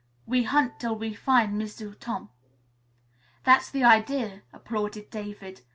We hunt till we fin' M'sieu' Tom." "That's the idea," applauded David.